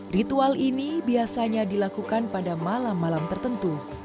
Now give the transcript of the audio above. ritual ini biasanya dilakukan pada malam malam tertentu